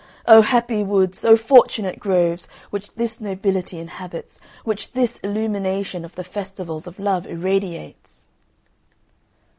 O happy woods, O fortunate groves, which this nobility inhabits, which this illumination of the festivals of love irradiates."